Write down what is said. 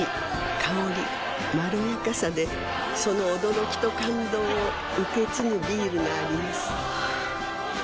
香りまろやかさでその驚きと感動を受け継ぐビールがあります